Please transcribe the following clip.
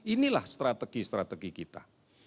inilah strategi strategi kita